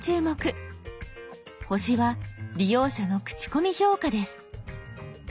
「星」は利用者の口コミ評価です。